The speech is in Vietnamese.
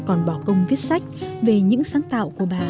còn bỏ công viết sách về những sáng tạo của bà